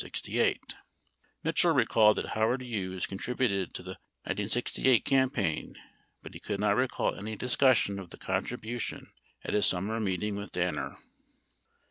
57 Mitchell recalled that Howard Hughes contributed to the 1968 campaign, but he could not recall any discussion of the contribution at his summer meeting with Danner.